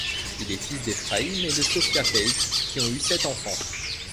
Il est un fils d'Éphraïm et de Sophia Page qui ont eu sept enfants.